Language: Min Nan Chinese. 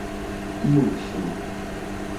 幼秀